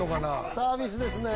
サービスですね